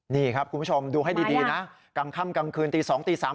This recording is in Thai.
นี่ครับคุณผู้ชมดูให้ดีนะกลางค่ำกลางคืนตี๒ตี๓